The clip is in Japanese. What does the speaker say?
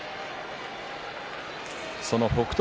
その北勝